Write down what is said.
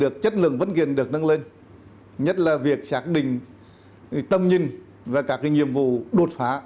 được chất lượng văn kiện được nâng lên nhất là việc xác định tâm nhìn và các nhiệm vụ đột phá